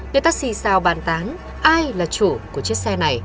cái taxi sao bàn tán ai là chủ của chiếc xe này